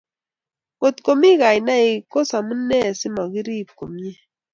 Ngotkomi kainaik kosmune asimokirib komie?